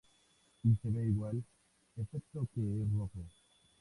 Y se ve igual, excepto que es rojo.